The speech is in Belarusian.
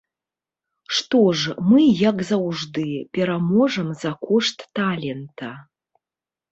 Што ж, мы, як заўжды, пераможам за кошт талента.